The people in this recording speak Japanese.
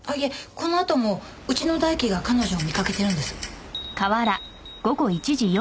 このあともうちの大輝が彼女を見かけてるんです。